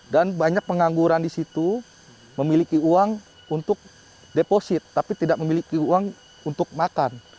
dan banyak pengangguran di situ memiliki uang untuk deposit tapi tidak memiliki uang untuk makan